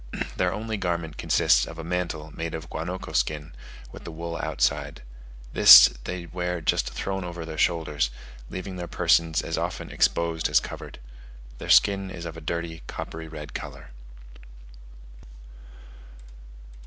Their only garment consists of a mantle made of guanaco skin, with the wool outside: this they wear just thrown over their shoulders, leaving their persons as often exposed as covered. Their skin is of a dirty coppery red colour.